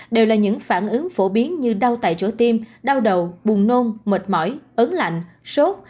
đều là những phản ứng phổ biến như đau tại chỗ tim đau đầu buồn nôn mệt mỏi ấn lạnh sốt